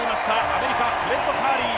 アメリカ、フレッド・カーリー。